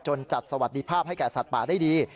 จัดสวัสดิภาพให้แก่สัตว์ป่าได้ดี